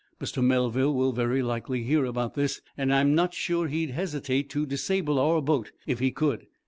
Mr. Melville will very likely hear about this and I'm not sure he'd hesitate to disable our boat if he could.